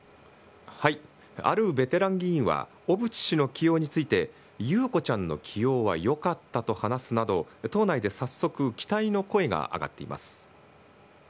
あるベテラン議員は、小渕氏の起用について、優子ちゃんの起用はよかったと話すなど、党内で早速、期待の声が上がっています。